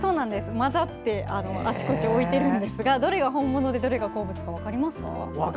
交ざってあちこちに置いてあるんですがどれが本物で、どれが鉱物か分かりますか？